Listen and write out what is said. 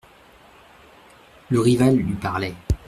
Le Rival lui parlait.